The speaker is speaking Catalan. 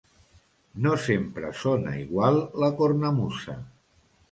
No sempre sona igual la cornamusa.